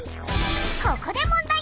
ここで問題！